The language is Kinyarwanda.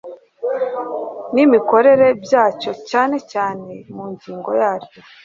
n imikorere byacyo cyane cyane mu ngingo yaryo